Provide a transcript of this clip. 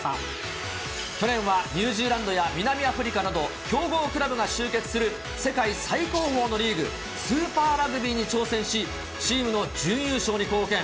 去年はニュージーランドや南アフリカなど、強豪クラブが集結する世界最高峰のリーグ、スーパーラグビーに挑戦し、チームの準優勝に貢献。